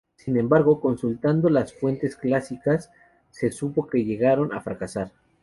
Sin embargo, consultando a las fuentes clásicas, se supo que llegaron a fracasar.